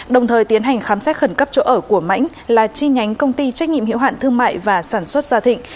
đồng thời tiến hành khám xét khẩn cấp chỗ ở của mãnh là chi nhánh công ty trách nhiệm hiệu hạn thương mại và sản xuất gia thịnh